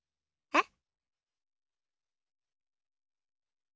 えっ？